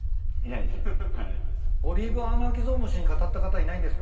オリーブアナアキゾウムシ語った方いないんですか？